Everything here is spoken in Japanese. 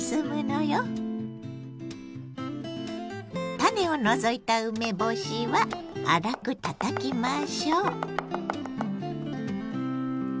種を除いた梅干しは粗くたたきましょう。